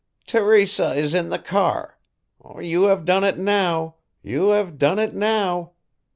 "Teresa is in the car You have done it now you have done it now.